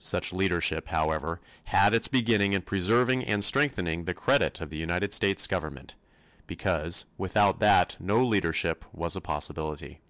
Such leadership, however, had its beginning in preserving and strengthening the credit of the United States government, because without that no leadership was a possibility.